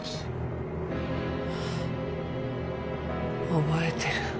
あ覚えてる。